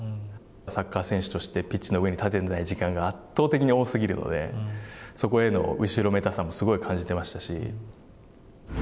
サッカー選手としてピッチの上に立てない時間が圧倒的に多すぎるので、そこへの後ろめたさもすごい感じていましたし。